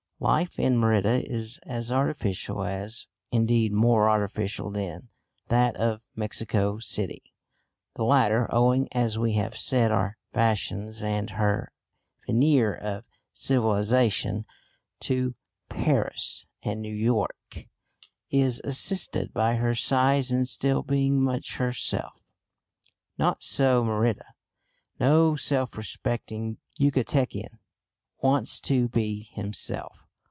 Life in Merida is as artificial as indeed more artificial than that of Mexico City. The latter, owing, as we have said, her fashions and her veneer of civilisation to Paris and New York, is assisted by her size in still being much herself. Not so Merida. No self respecting Yucatecan wants to be himself.